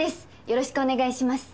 よろしくお願いします。